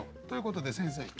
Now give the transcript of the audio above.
ということで先生